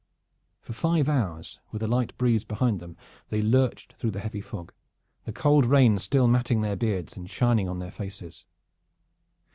For five hours with a light breeze behind them they lurched through the heavy fog, the cold rain still matting their beards and shining on their faces.